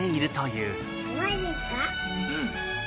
うん。